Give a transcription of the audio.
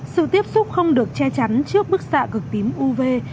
sự tiếp xúc không được che chắn trước bức xạ cực tím uv từ mặt trời và các nguồn khác